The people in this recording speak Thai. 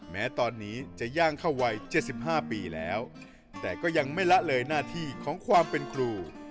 แม้ตอนนี้จะย่างเข้าวัย๗๕ปีแล้วแต่ก็ยังไม่ละเลยหน้าที่ของความเป็นครู